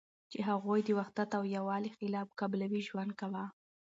چی هغوی د وحدت او یوالی خلاف قبیلوی ژوند کاوه